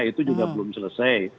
itu juga belum selesai